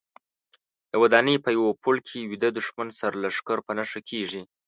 د ودانۍ په یوه پوړ کې ویده دوښمن سرلښکر په نښه کېږي.